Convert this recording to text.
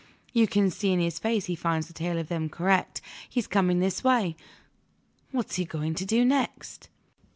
You can see in his face he finds the tale of them correct. He's coming this way. What's he going to do next?"